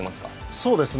そうですね。